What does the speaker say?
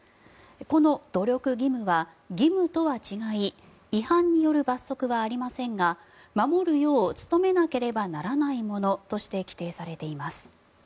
この努力義務は、義務とは違い違反による罰則はありませんが守るよう努めなければならないものとして規定されています。